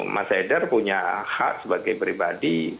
mas haidar punya hak sebagai pribadi